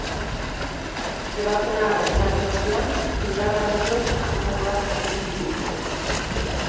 Ebazpena jakinarazi ostean, indar armatuek akusatuak atxiki dituzte.